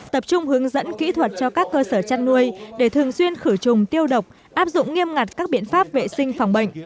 tập trung hướng dẫn kỹ thuật cho các cơ sở chăn nuôi để thường xuyên khử trùng tiêu độc áp dụng nghiêm ngặt các biện pháp vệ sinh phòng bệnh